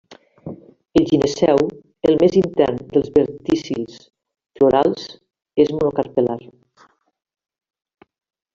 El gineceu, el més intern dels verticils florals, és monocarpel·lar.